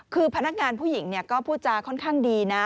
คือพนักงานผู้หญิงก็พูดจาค่อนข้างดีนะ